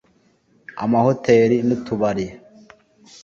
amahoteli n’utubari